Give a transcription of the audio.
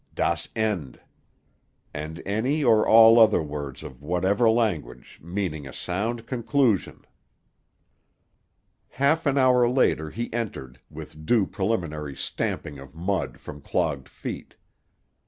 Das Ende._ And any or all other words of whatever language, meaning a sound conclusion!" Half an hour later he entered, with due preliminary stamping of mud from clogged feet.